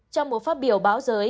trong một phát biểu báo giới